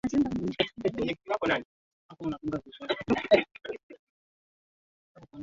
Mji Mkongwe wenye historia kubwa unapatika katika kisiwa cha Unguja